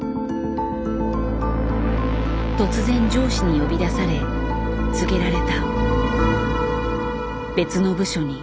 突然上司に呼び出され告げられた。